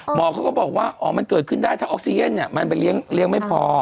หมอเขาก็บอกว่าอ๋อมันเกิดขึ้นได้ถ้าออกซีเย็นเนี่ยมันไปเลี้ยงไม่พอ